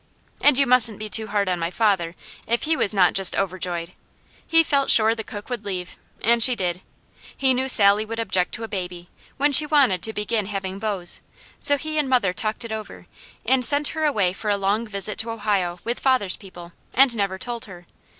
And you mustn't be too hard on my father if he was not just overjoyed. He felt sure the cook would leave, and she did. He knew Sally would object to a baby, when she wanted to begin having beaus, so he and mother talked it over and sent her away for a long visit to Ohio with father's people, and never told her.